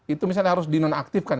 itu misalnya harus dinonaktifkan